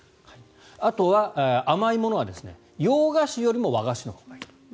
あとは甘いものは、洋菓子よりも和菓子のほうがいい。